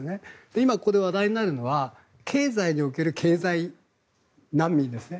今ここで話題になるのは経済における経済難民ですね。